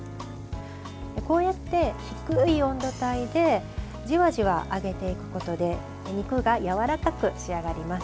こうやって低い温度帯でじわじわ揚げていくことで肉がやわらかく仕上がります。